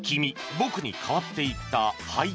「僕」に変わっていった背景には